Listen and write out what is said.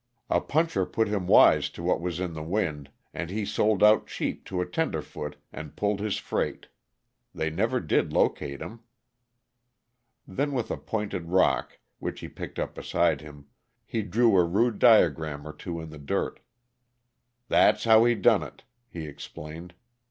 "A puncher put him wise to what was in the wind, and he sold out cheap to a tenderfoot and pulled his freight. They never did locate him." Then, with a pointed rock which he picked up beside him, he drew a rude diagram or two in the dirt. "That's how he done it," he explained.